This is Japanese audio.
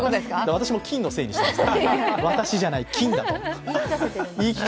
私も菌のせいにしています。